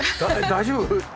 大丈夫？